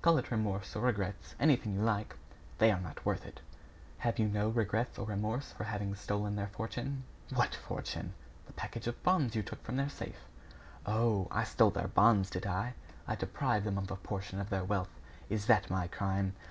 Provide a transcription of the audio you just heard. "Call it remorse or regrets anything you like " "They are not worth it." "Have you no regrets or remorse for having stolen their fortune?" "What fortune?" "The packages of bonds you took from their safe." "Oh! I stole their bonds, did I? I deprived them of a portion of their wealth? Is that my crime?